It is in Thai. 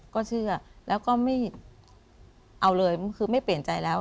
ก็เชื่อแล้วก็ไม่เอาเลยคือไม่เปลี่ยนใจแล้ว